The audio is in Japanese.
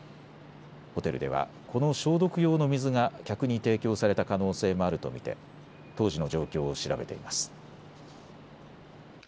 ホテルではこの消毒用の水が客に提供された可能性もあると見て当時の状況を調べています。